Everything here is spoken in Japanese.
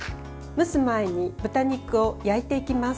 蒸す前に、豚肉を焼いていきます。